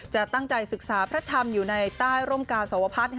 จะตั้งใจศึกษาพระธรรมอยู่ในใต้ร่มกาสวพัฒน์